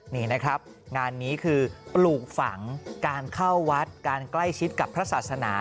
นี่นะครับงานนี้คือปลูกฝังการเข้าวัดการใกล้ชิดกับพระศาสนา